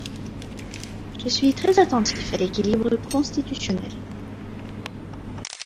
Je suis très attentif à l’équilibre constitutionnel.